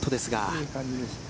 いい感じですね。